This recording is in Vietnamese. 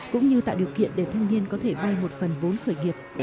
cũng như tạo điều kiện để thanh niên có thể vay một phần vốn khởi nghiệp